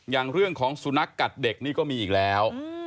อย่างเรื่องของสุนัขกัดเด็กนี่ก็มีอีกแล้ว